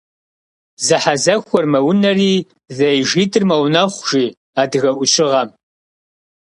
Зэхьэзэхуэр мэунэри, зэижитӀыр мэунэхъу, жи адыгэ Ӏущыгъэм.